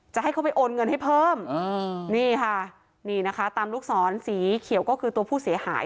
ให้เขาไปโอนเงินให้เพิ่มนี่ค่ะนี่นะคะตามลูกศรสีเขียวก็คือตัวผู้เสียหาย